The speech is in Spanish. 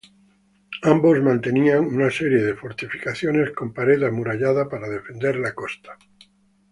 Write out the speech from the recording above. Ambos mantenían una serie de fortificaciones con pared amurallada para defender la costa.